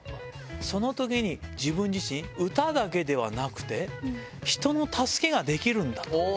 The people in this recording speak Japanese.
そのときに自分自身、歌だけではなくて、人の助けができるんだと。